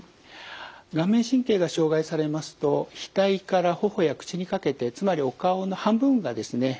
顔面神経が傷害されますと額から頬や口にかけてつまりお顔の半分がですね